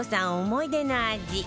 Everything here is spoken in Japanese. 思い出の味